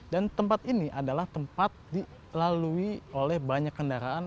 dan tempat ini adalah tempat dilalui oleh banyak kendaraan